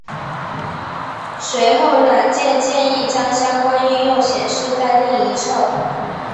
随后软件建议将相关应用显示在另一侧。